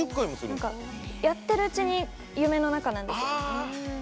やってるうちに夢の中なんですよ。